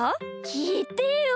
きいてよ！